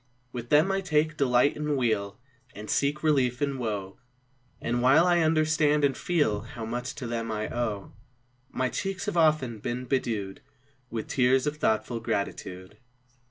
1 1 10 GEORGIAN VERSE With them I take delight in weal, And seek relief in woe; And while I understand and feel How much to them I owe, My cheeks have often been bedew'd With tears of thoughtful gratitude.